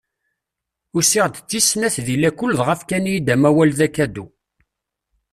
Usiɣ-d d tis snat di lakul dɣa fkan-iyi-d amawal d akadu.